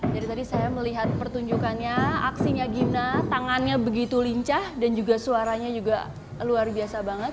dari tadi saya melihat pertunjukannya aksinya gina tangannya begitu lincah dan juga suaranya juga luar biasa banget